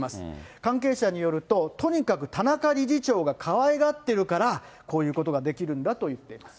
関係者によると、とにかく田中理事長がかわいがってるから、こういうことができるんだと言っています。